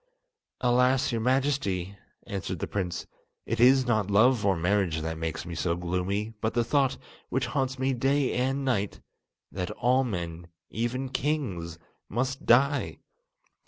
"Alas! your Majesty," answered the prince, "it is not love or marriage that makes me so gloomy; but the thought, which haunts me day and night, that all men, even kings, must die.